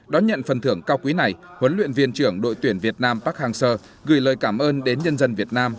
đón nhận phần thưởng cao quý này huấn luyện viên trưởng đội tuyển việt nam park hang seo gửi lời cảm ơn đến nhân dân việt nam